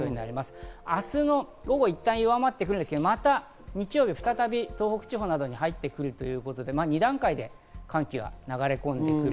明日の午後いったん弱まってくるんですが日曜日、再び東北地方などに入ってくるということで２段階で寒気が流れ込んでくる。